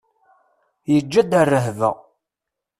Yeǧǧa-d rrehba.